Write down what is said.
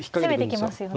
攻めてきますよね。